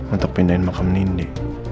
untuk pindahin makam nindi